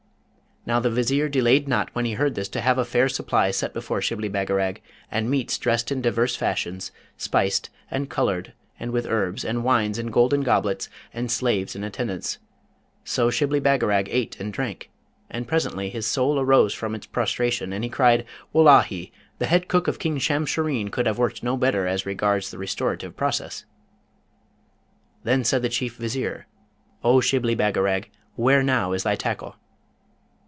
Now, the Vizier delayed not when he heard this to have a fair supply set before Shibli Bagarag, and meats dressed in divers fashions, spiced, and coloured, and with herbs, and wines in golden goblets, and slaves in attendance. So Shibli Bagarag ate and drank, and presently his soul arose from its prostration, and he cried, 'Wullahy! the head cook of King Shamshureen could have worked no better as regards the restorative process.' Then said the Chief Vizier, 'O Shibli Bagarag, where now is thy tackle?'